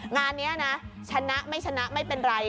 งานนี้นะชนะไม่ชนะไม่เป็นไร